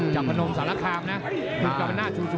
จากพนมสรขามนั้น